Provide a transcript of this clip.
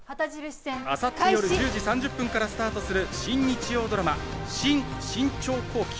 明後日、夜１０時３０分からスタートする新日曜ドラマ『新・信長公記